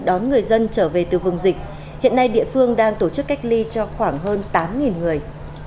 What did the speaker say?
đón người dân trở về từ vùng dịch hiện nay địa phương đang tổ chức cách ly cho khoảng hơn tám người